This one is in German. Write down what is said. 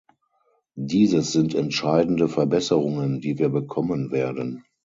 Dieses sind entscheidende Verbesserungen, die wir bekommen werden.